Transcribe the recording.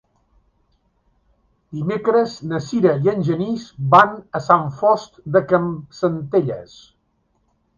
Dimecres na Sira i en Genís van a Sant Fost de Campsentelles.